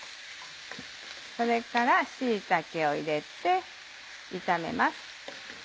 それから椎茸を入れて炒めます。